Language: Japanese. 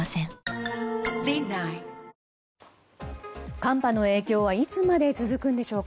寒波の影響はいつまで続くんでしょうか。